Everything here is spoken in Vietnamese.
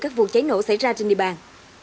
các vụ cháy nổ xảy ra trên địa bàn